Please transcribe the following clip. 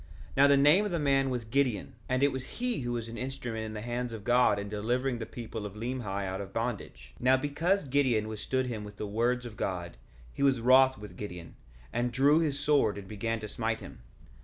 1:8 Now the name of the man was Gideon; and it was he who was an instrument in the hands of God in delivering the people of Limhi out of bondage. 1:9 Now, because Gideon withstood him with the words of God he was wroth with Gideon, and drew his sword and began to smite him.